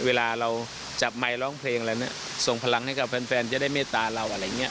เวลาเราจับไมค์ร้องเพลงอะไรเนี่ยส่งพลังให้กับแฟนจะได้เมตตาเราอะไรอย่างนี้